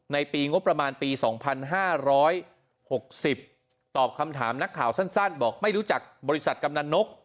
ในปีงบประมาณปี๒๕๖๐ตอบคำถามนักข่าวสั้นบอกไม่รู้จักบริษัทกำนันนก